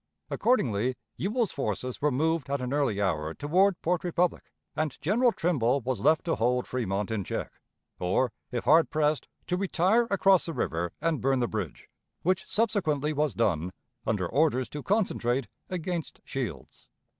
Accordingly, Ewell's forces were moved at an early hour toward Port Republic, and General Trimble was left to hold Fremont in check, or, if hard pressed, to retire across the river and burn the bridge, which subsequently was done, under orders to concentrate against Shields.